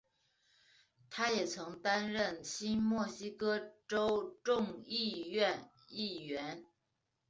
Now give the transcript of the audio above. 他也曾经担任新墨西哥州众议院议员。